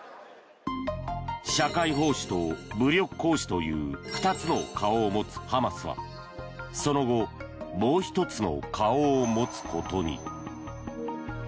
社会奉仕と武力行使という２つの顔を持つハマスはその後もう１つの顔を持つことに。